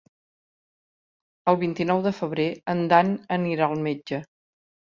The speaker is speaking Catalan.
El vint-i-nou de febrer en Dan anirà al metge.